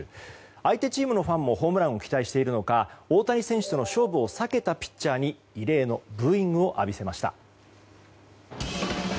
相手チームのファンもホームランを期待しているのか大谷選手との勝負を避けたピッチャーに異例のブーイングを浴びせました。